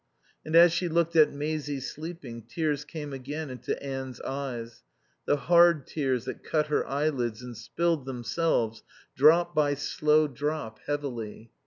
And as she looked at Maisie sleeping, tears came again into Anne's eyes, the hard tears that cut her eyelids and spilled themselves, drop by slow drop, heavily.